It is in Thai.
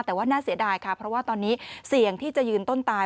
แต่ว่าน่าเสียดายค่ะเพราะว่าตอนนี้เสี่ยงที่จะยืนต้นตาย